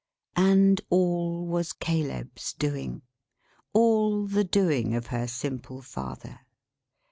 And all was Caleb's doing; all the doing of her simple father!